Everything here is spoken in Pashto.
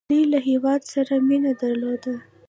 دوی له هیواد سره مینه درلوده.